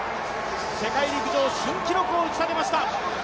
世界陸上新記録を打ちたてました。